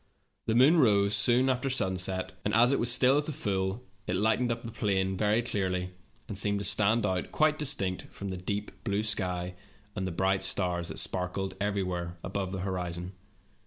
The moon rose soon after sunset, and as it was at the full, it lighted up the plain very clearly, and seemed to stand out quite distinct from the deep blue sky and the bright stars that sparkled everywhere above the horizon.